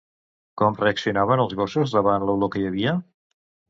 Com reaccionaven els gossos davant l'olor que hi havia?